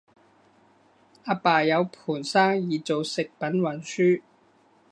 阿爸有盤生意做食品運輸